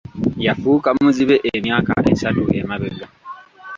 Yafuuka muzibe emyaka esatu emabega.